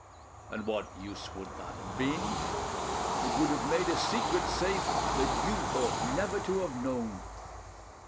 "And what use would that have been?" "It would have made a secret safe that you ought never to have known."